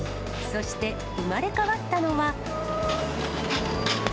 そして生まれ変わったのは。